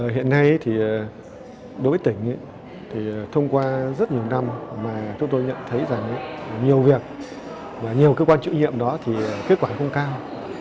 hiện nay thì đối với tỉnh thì thông qua rất nhiều năm mà chúng tôi nhận thấy rằng nhiều việc và nhiều cơ quan chịu nhiệm đó thì kết quả không cao